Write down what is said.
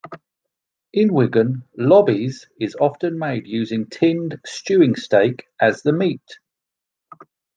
In Wigan "lobbies" is often made using tinned stewing steak as the meat.